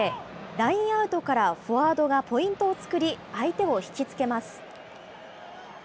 ラインアウトからフォワードがポイントを作り、相手を引き付けます。